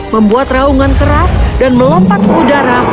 membuat raungan keras dan melompat ke udara